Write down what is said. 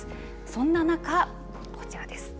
そんな中、こちらです。